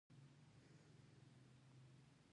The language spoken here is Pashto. څنګه کولی شم په انټرویو کې بریالی شم